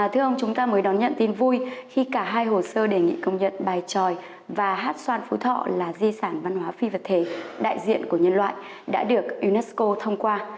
thưa ông chúng ta mới đón nhận tin vui khi cả hai hồ sơ đề nghị công nhận bài tròi và hát xoan phú thọ là di sản văn hóa phi vật thể đại diện của nhân loại đã được unesco thông qua